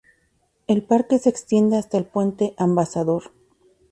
El parque se extiende hasta el Puente Ambassador.